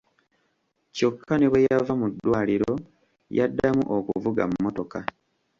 Kyokka ne bwe yava mu ddwaliro, yaddamu okuvuga mmotoka.